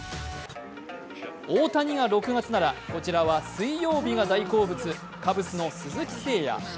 大谷が６月なら、こちらは水曜日が大好物、カブスの鈴木誠也。